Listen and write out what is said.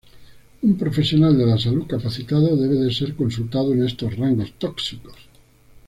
Un profesional de la salud capacitado debe ser consultado en estos rangos tóxicos.